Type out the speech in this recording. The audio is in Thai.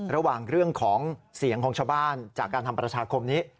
ระหว่างเรื่องของเสียงของชาวบ้านจากการทำประชาคมนี้